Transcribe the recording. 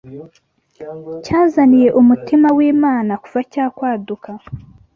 cyazaniye umutima w’Imana kuva cyakwaduka